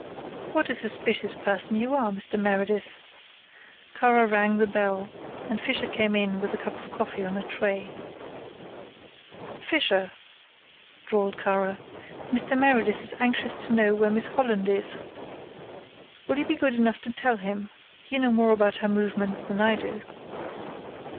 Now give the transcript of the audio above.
"What a suspicious person you are, Mr. Meredith!" Kara rang the bell and Fisher came in with a cup of coffee on a tray. "Fisher," drawled Kara. "Mr. Meredith is anxious to know where Miss Holland is. Will you be good enough to tell him, you know more about her movements than I do."